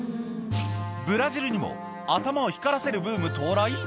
ブラジルにも、頭を光らせるブーム到来？